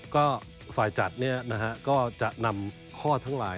ก็ฝ่ายจัดก็จะนำข้อทั้งหลาย